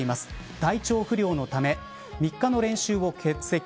体調不良のため３日の練習を欠席。